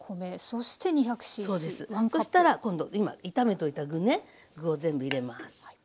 そうですそしたら今度今炒めといた具ね具を全部入れます。